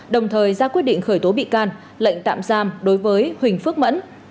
đồng thời ra quyết định khởi tố bị can lệnh tạm giam đối với huỳnh phước mẫn